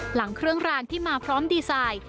หลังเครื่องรางที่มาพร้อมดีไซน์